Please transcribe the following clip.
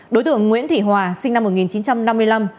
đối tượng nguyễn thị hòa sinh năm một nghìn chín trăm năm mươi năm